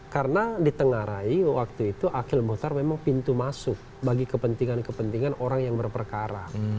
karena ditengarai waktu itu akil muhtar memang pintu masuk bagi kepentingan kepentingan orang yang berperkara